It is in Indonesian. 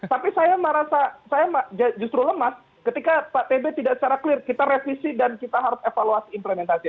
tapi saya merasa saya justru lemas ketika pak tb tidak secara clear kita revisi dan kita harus evaluasi implementasi